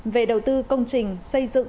về đầu tư công trình xây dựng